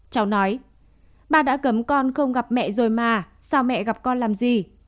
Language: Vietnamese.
cháu nói bà đã cấm con không gặp mẹ rồi mà sao mẹ gặp con làm gì